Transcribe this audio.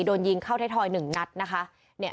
โดนยิงเข้าไทยทอย๑นัดนะคะ